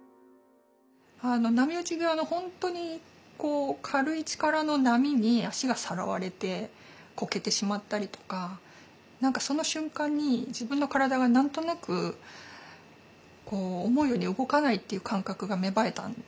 波打ち際の本当に軽い力の波に足がさらわれてこけてしまったりとか何かその瞬間に自分の体が何となく思うように動かないという感覚が芽生えたんですよね。